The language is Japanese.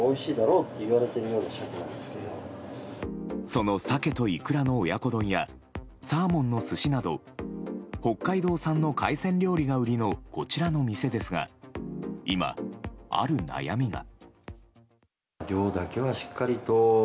そのサケとイクラの親子丼やサーモンの寿司など北海道産の海鮮料理が売りのこちらの店ですが今、ある悩みが。